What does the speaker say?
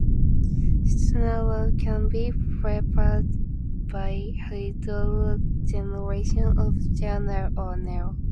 Citronellol can be prepared by hydrogenation of geraniol or nerol.